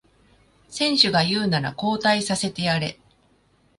選手が言うなら交代させてやれ